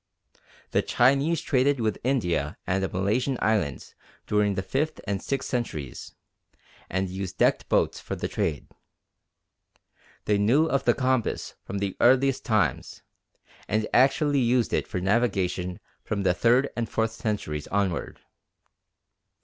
The Chinese traded with India and the Malaysian islands during the fifth and sixth centuries, and used decked boats for the trade. They knew of the compass from the earliest times, and actually used it for navigation from the third and fourth centuries onward.